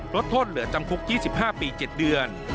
ลดโทษเหลือจำคุก๒๕ปี๗เดือน